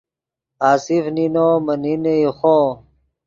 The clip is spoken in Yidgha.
آصف نینو من نینے ایخو